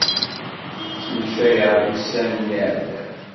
Ttmektayeɣ-d ussan-nni iɛeddan.